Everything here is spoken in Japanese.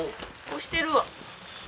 押してるわ。